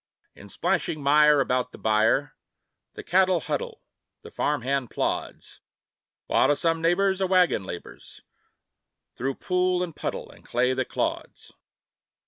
In splashing mire about the byre The cattle huddle, the farm hand plods; While to some neighbor's a wagon labors Through pool and puddle and clay that clods.